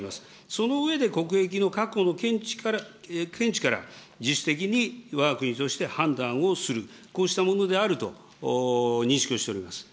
その上で、国益の確保の見地から、自主的にわが国として判断をする、こうしたものであると認識をしております。